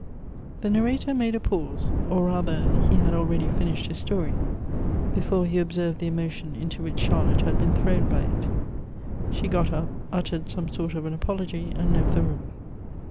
THE narrator made a pause, or rather he had already finished his story, before he observed the emotion into which Charlotte had been thrown by it. She got up, uttered some sort of an apology, and left the room.